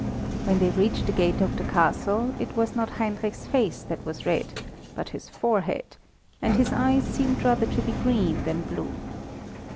When they reached the gate of the castle, it was not Heinrich's face that was red, but his forehead, and his eyes seemed rather to be green than blue.